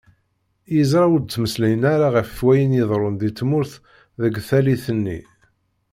Yezṛa ur d-ttmeslayen ara γef wayen iḍeṛṛun di tmurt deg tallit nni.